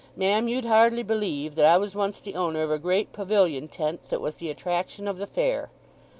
Ma'am you'd hardly believe that I was once the owner of a great pavilion tent that was the attraction of the fair.